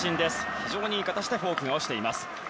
非常にいい形でフォークが落ちています。